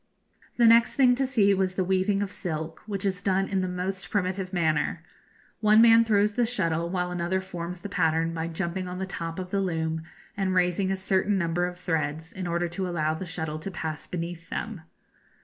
The next thing to see was the weaving of silk, which is done in the most primitive manner. One man throws the shuttle, while another forms the pattern by jumping on the top of the loom and raising a certain number of threads, in order to allow the shuttle to pass beneath them.